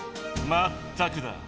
まったくだ。